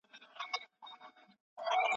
په شلمه پېړۍ کي ډېري تېروتنې وسوې.